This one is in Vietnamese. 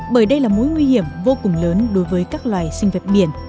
bởi đây là mối nguy hiểm vô cùng lớn đối với các loài sinh vật biển